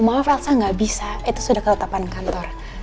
maaf elsa nggak bisa itu sudah ketetapan kantor